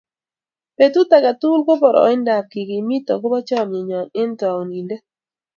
betut age tugul ko boroindab kekimiit akobo chomienyoo eng taunindet